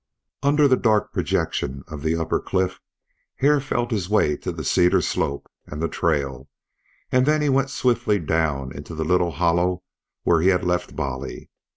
Under the dark projection of the upper cliff Hare felt his way to the cedar slope, and the trail, and then he went swiftly down into the little hollow where he had left Bolly.